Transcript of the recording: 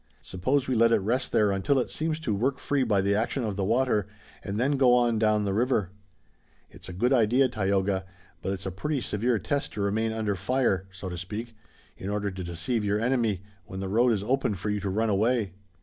Suppose we let it rest there until it seems to work free by the action of the water, and then go on down the river." "It's a good idea, Tayoga, but it's a pretty severe test to remain under fire, so to speak, in order to deceive your enemy, when the road is open for you to run away."